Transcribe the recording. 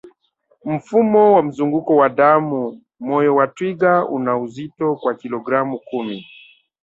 Mfumo wa mzunguko wa damu moyo wa twiga una uzito wa kilogramu kumi